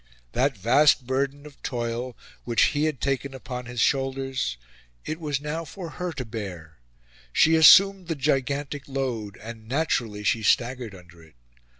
That vast burden of toil which he had taken upon his shoulders it was now for her to bear. She assumed the gigantic load; and naturally she staggered under it.